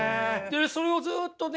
それをずっとね